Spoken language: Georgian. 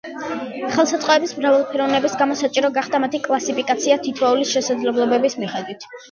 ხელსაწყოების მრავალფეროვნების გამო საჭირო გახდა მათი კლასიფიკაცია თითოეულის შესაძლებლობების მიხედვით.